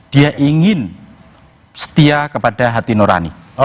dia ingin setia kepada hati nurani